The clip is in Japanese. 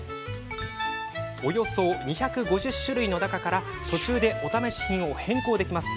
およそ２５０種類の中から途中でお試し品を変更できます。